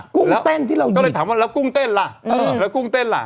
กูเลยถามว่าแล้วกุ้งเต้นล่ะแล้วกุ้งเต้นล่ะ